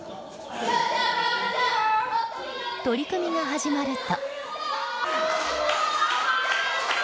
取組が始まると。